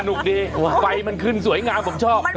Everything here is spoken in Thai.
ดีไฟมันขึ้นสวยงามผมชอบ